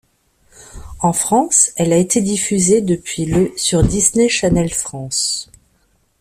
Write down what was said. En France, elle a été diffusée depuis le sur Disney Channel France.